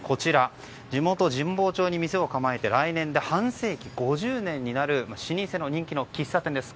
地元・神保町に店を構えて来年で半世紀５０年になる老舗の人気の喫茶店です。